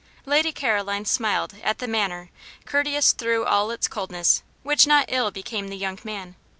Lady Caroline smiled at the manner, courteous through all its coldness, which not ill became the young man.